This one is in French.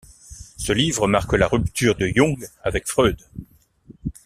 Ce livre marque la rupture de Jung avec Freud.